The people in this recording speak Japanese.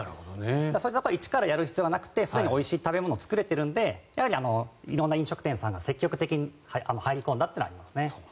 そういうところを一からやる必要がなくてすでにおいしい食べ物を作れてるので色んな飲食店さんが積極的に入り込んだのはありますね。